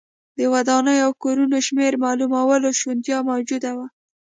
د ودانیو او کورونو شمېر معلومولو شونتیا موجوده وه